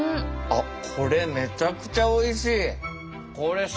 あっこれめちゃくちゃおいしい。